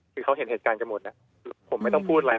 คือเขาเห็นเหตุการณ์กันหมดนะผมไม่ต้องพูดอะไร